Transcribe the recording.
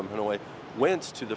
phong trào khác